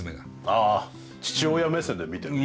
あ父親目線で見てるのね。